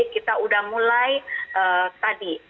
kita sudah mulai tadi